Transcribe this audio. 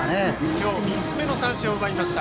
今日３つ目の三振を奪いました。